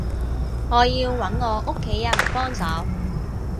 我要揾我屋企人幫手